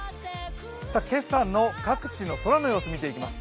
今朝の各地の空の様子、見ていきます。